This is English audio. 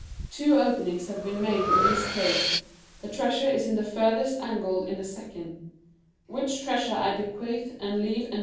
Two open...ings have been made in these caves; the treasure is in the furthest a...ngle in the second; which treasure I bequeath and leave en...